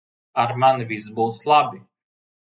Ar mani viss būs labi.